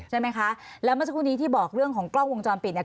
ใช่ไหมคะแล้วเมื่อสักครู่นี้ที่บอกเรื่องของกล้องวงจรปิดเนี่ย